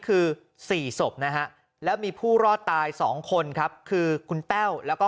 คือ๔ศพนะฮะแล้วมีผู้รอดตาย๒คนครับคือคุณแต้วแล้วก็